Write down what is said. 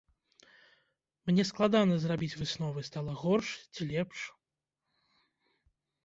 Мне складана зрабіць высновы, стала горш ці лепш.